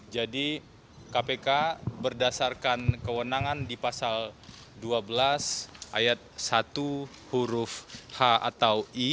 jadi kpk berdasarkan kewenangan di pasal dua belas ayat satu huruf h atau i